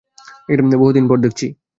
বহুদিন পর দেখছি।